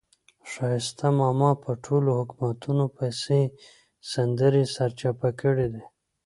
ښایسته ماما په ټولو حکومتونو پسې سندرې سرچپه کړې دي.